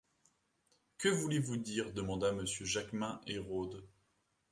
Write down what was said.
Que voulez-vous dire? demanda M Jaquemin Hérode.